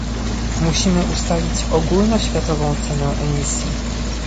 Musimy ustalić ogólnoświatową cenę emisji